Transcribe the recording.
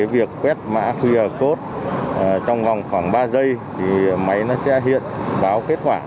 việc quét mã qr code trong vòng khoảng ba giây thì máy nó sẽ hiện báo kết quả